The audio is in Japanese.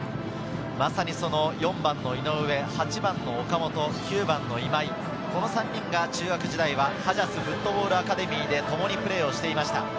４番の井上、８番の岡本、９番の今井、この３人が中学時代はハジャスフットボールアカデミーでともにプレーをしていました。